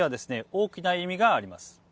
大きな意味があります。